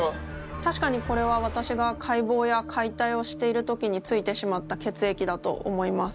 たしかにこれは私が解剖や解体をしている時についてしまった血液だと思います。